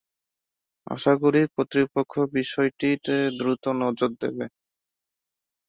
আশা করি, কর্তৃপক্ষ বিষয়টিতে দ্রুত নজর দেবে।